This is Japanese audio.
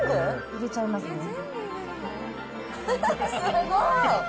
入れちゃいますね。